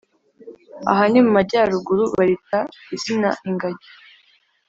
Ahani mu majyaruguru barita izina ingagi